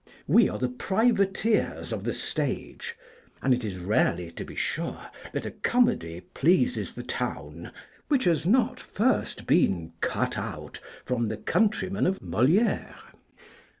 We are the privateers of the stage; and it is rarely, to be sure, that a comedy pleases the town which has not first been 'cut out' from the countrymen of Moliére.